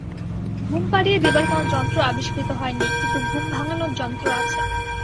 ঘুম পাড়িয়ে দেবার কোনো যন্ত্র আবিষ্কৃত হয় নি, কিন্তু ঘুম ভাঙানোর যন্ত্র আছে।